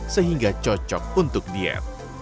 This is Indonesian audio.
sehingga cocok untuk diet